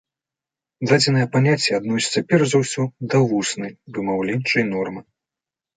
Дадзенае паняцце адносіцца перш за ўсе да вуснай, вымаўленчай нормы.